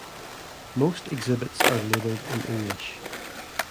Most exhibits are labelled in English.